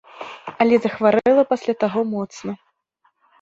Але захварэла пасля таго моцна.